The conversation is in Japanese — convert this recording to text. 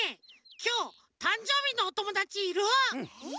きょうたんじょうびのおともだちいる？